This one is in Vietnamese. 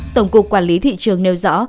tổng cục quản lý thị trường nêu rõ